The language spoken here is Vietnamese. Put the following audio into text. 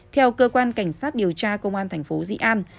theo cơ quan cảnh sát điều tra công an thành phố dị an